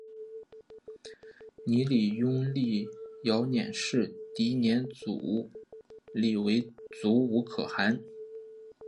泥礼拥立遥辇氏迪辇组里为阻午可汗。